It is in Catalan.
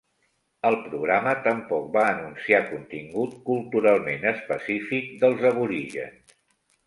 El programa tampoc va anunciar contingut culturalment específic dels aborígens.